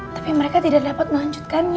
tapi mereka tidak dapat melanjutkannya